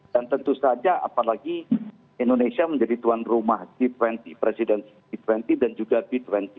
dan tentu saja apalagi indonesia menjadi tuan rumah g dua puluh presiden g dua puluh dan juga b dua puluh